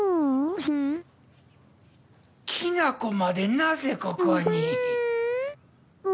きなこまでなぜここに？